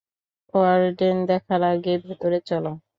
Warden দেখার আগে ভেতরে চলো।